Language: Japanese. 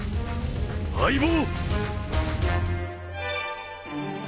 相棒！